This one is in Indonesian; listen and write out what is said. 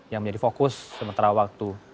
yang menjadi fokus sementara waktu